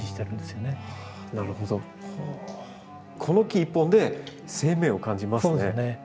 この木一本で生命を感じますね。